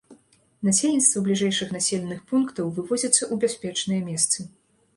Насельніцтва бліжэйшых населеных пунктаў вывозіцца ў бяспечныя месцы.